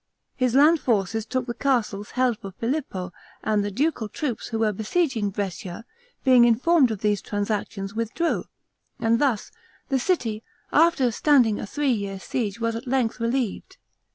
His land forces took the castles held for Filippo, and the ducal troops who were besieging Brescia, being informed of these transactions, withdrew; and thus, the city, after standing a three years' siege, was at length relieved.